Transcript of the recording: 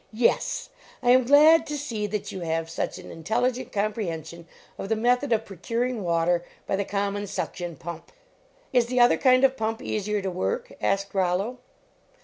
"Yes s! I am glad to see that you have such an intelligent comprehension of the method of procuring water by the com mon suction pump." "Is the other kind of pump easier to work? " asked Rollo.